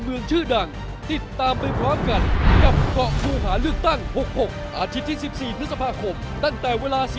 เดี๋ยวไลน์คุยกันนอกรอบโทรคุยกันก็ได้